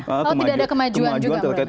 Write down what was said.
kalau tidak ada kemajuan juga